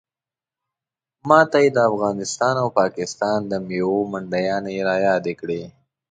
ماته یې د افغانستان او پاکستان د میوو منډیانې رایادې کړې.